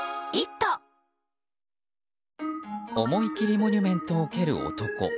思い切りモニュメントを蹴る男。